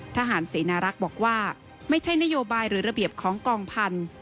ทหารเสนารักษ์บอกว่าไม่ใช่นโยบายหรือระเบียบของกองพันธุ์